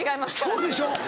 そうでしょ。